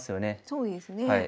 そうですね。